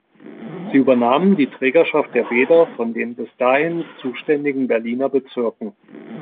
Sie übernahmen die Trägerschaft der Bäder von den bis dahin zuständigen Berliner Bezirken.